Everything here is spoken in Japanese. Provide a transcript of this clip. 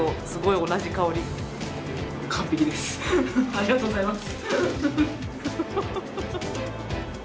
ありがとうございます。